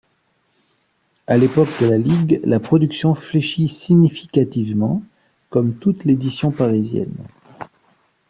À l'époque de la Ligue, la production fléchit significativement, comme toute l'édition parisienne.